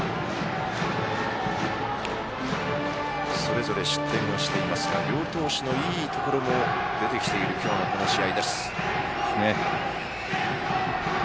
それぞれ失点をしていますが両投手のいいところも出てきている、今日のこの試合。